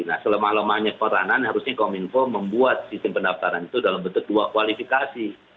nah selemah lemahnya peranan harusnya kominfo membuat sistem pendaftaran itu dalam bentuk dua kualifikasi